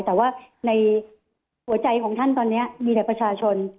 แต่ว่าในหัวใจของท่านตอนนี้มีแต่ประชาชน